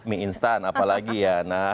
mie instan apa lagi ya nah